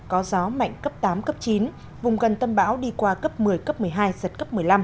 có gió mạnh cấp tám cấp chín vùng gần tâm bão đi qua cấp một mươi cấp một mươi hai giật cấp một mươi năm